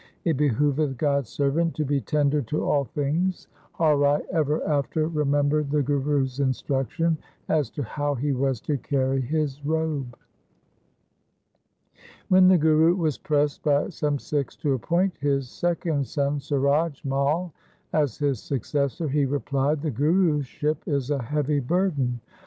It behove th God's servant to be tender to all things.' Har Rai ever after remembered the Guru's instruction as to how he was to carry his robe. When the Guru was pressed by some Sikhs to appoint his second son Suraj Mai as his successor, he replied, ' The Guruship is a heavy burden.